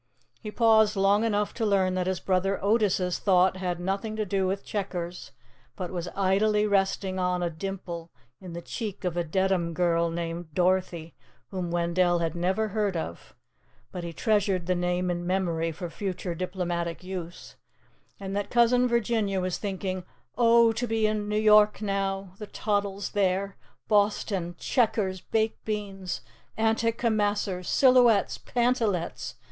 He paused long enough to learn that his brother Otis' thought had nothing to do with checkers, but was idly resting on a dimple in the cheek of a Dedham girl named Dorothy, whom Wendell had never heard of (but he treasured the name in memory for future diplomatic use); and that Cousin Virginia was thinking: "Oh, to be in New York now the toddle's there! Boston! Checkers!! Baked Beans!!! Antimacassars!!!! Silhouettes!!!!! Pantalettes!!!!!!!